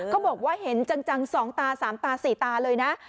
เขาบอกว่าเห็นจัง๒ตา๓ตา๔ตาเลยนะ